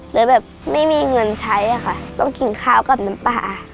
เลยแบบไม่มีเงินใช้ค่ะต้องกินข้าวกับน้ำปลา